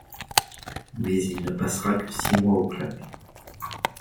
Mais il ne passera que six mois au club.